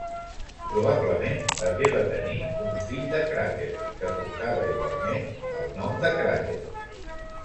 Probablement també va tenir un fill de Cràter que portava igualment el nom de Cràter.